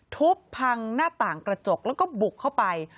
ทุบพังหน้าต่างกระจกแล้วก็บุกเข้าไป